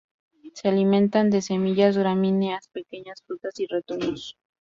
Se alimentan de semillas gramíneas, pequeñas frutas y retoños.